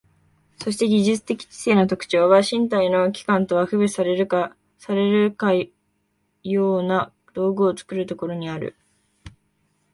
そして技術的知性の特徴は、身体の器官とは区別されるかような道具を作るところにある。